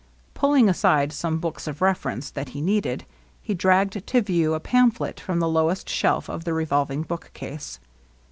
Fulling aside some books of ref erence that he needed, he dragged to view a pamphlet from the lowest shelf of the revolving bookcase.